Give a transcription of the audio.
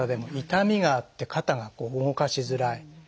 痛みがあって肩が動かしづらい。